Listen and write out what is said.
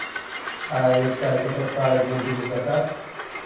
ئایا وێبسایتەکەت پارەت بۆ دروست دەکات؟